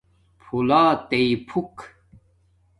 پھلات تئ فݸک